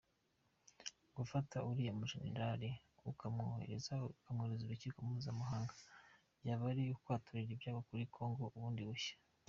Gufata uriya mujenerali ukamwoherereza Urukiko Mpuzamahanga byaba ari ukwaturira ibyago kuri Congo bundi bushya.